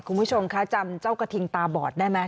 คุณผู้ชมคะจำเจ้ากระทิงตาบอดได้ไหม